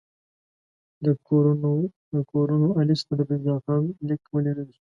د کورنوالیس ته د فیض الله خان لیک ولېږل شو.